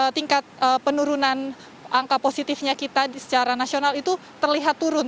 tingkat penurunan angka positifnya kita secara nasional itu terlihat turun